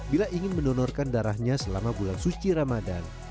bila ingin mendonorkan darahnya selama bulan suci ramadan